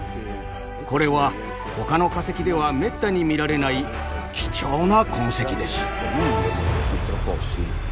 これはほかの化石ではめったに見られない貴重な痕跡です。